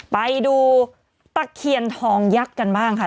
ไปดูตะเคียนทองยักษ์กันบ้างค่ะ